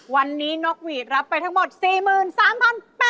วันนี้นกหวีดรับไปทั้งหมด๔๓๘๐๐บาท